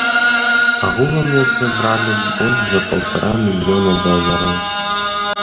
Агулам яны сабралі больш за паўтара мільёна долараў.